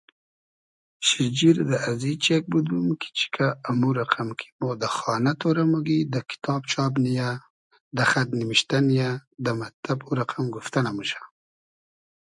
شیجیر دۂ ازی چېگ بودوم کی چیکۂ امو رئقئم کی مۉ دۂ خانۂ تۉرۂ موگی دۂ کیتاب چاب نییۂ دۂ خئد نیمیشتۂ نییۂ دۂ مئتتئب او رئقئم گوفتۂ نئموشۂ